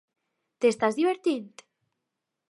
T'estàs divertint?